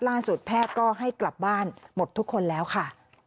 แพทย์ก็ให้กลับบ้านหมดทุกคนแล้วค่ะ